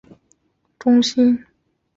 各大城市有国际知名的音乐中心。